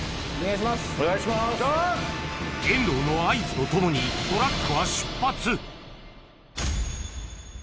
遠藤の合図とともにトラックは出発